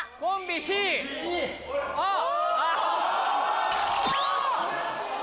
あっ。